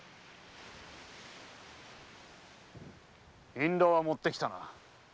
印籠は持ってきたか。